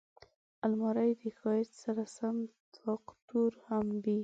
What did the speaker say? الماري د ښایست سره سم طاقتور هم وي